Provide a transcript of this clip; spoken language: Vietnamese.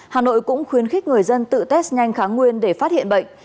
hà nội cũng khuyến khích người dân tự test nhanh kháng nguyên để phát hiện bệnh